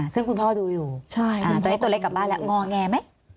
ซึ่งคุณพ่อดูอยู่ตอนนี้ตัวเล็กกลับบ้านแล้วงอแงไหม